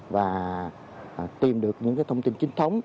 và tìm được những cái thông tin chính thống